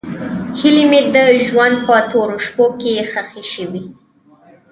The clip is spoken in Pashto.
هیلې مې د ژوند په تورو شپو کې ښخې شوې.